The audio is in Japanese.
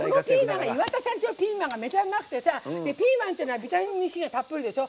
岩田さん家のピーマンがめちゃうまくてさピーマンっていうのはビタミンＣがたっぷりでしょ。